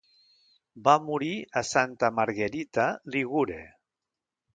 Va morir a Santa Margherita Ligure.